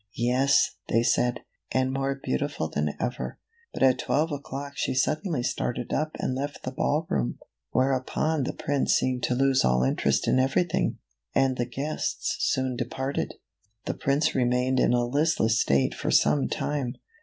Yes, they said, and more beautiful than ever, but at twelve o'clock she suddenly started up and left the ball room, where' A PERFECT FIT. CINDERELLA , OR I HE LITTLE GLASS SLIPPER. upon the Prince seemed to lose all interest in everything, and the guests soon departed. The Prince remained in a listless state for some time.